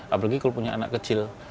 apalagi kalau punya anak kecil